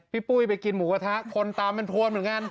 พี่ปุ้ยไปกินหมูกระทะคนตามแม่นพวงเหมือนกัน